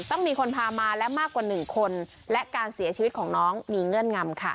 ต้องมีคนพามาและมากกว่า๑คนและการเสียชีวิตของน้องมีเงื่อนงำค่ะ